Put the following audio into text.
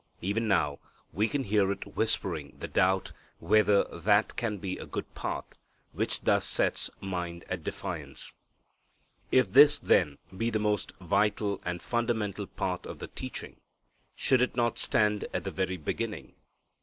Even now, we can hear it whispering the doubt whether that can be a good path, which thus sets "mind" at defiance. If this, then, be the most vital and fundamental part of the teaching, should it not stand at the very beginning?